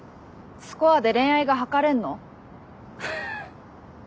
スコアで恋愛が測れんの？ははっ。